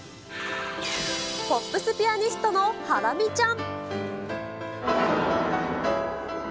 ポップスピアニストのハラミちゃん。